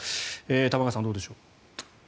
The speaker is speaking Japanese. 玉川さん、どうでしょう？